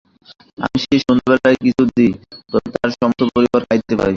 আমি সেই সন্ধ্যাবেলায় কিছু দিই, তবে তাহার সমস্ত পরিবার খাইতে পায়।